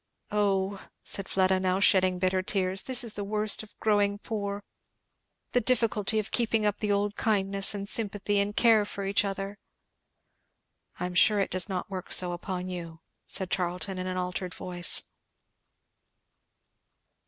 Oh," said Fleda, now shedding bitter tears, "this is the worst of growing poor! the difficulty of keeping up the old kindness and sympathy and care for each other! " "I am sure it does not work so upon you," said Charlton in an altered voice.